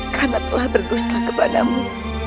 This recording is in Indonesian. karena telah berdusta kepadamu